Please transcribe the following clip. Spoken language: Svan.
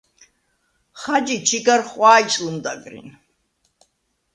ხაჯი ჩიგარ ხვა̄ჲს ლჷმდაგრინ.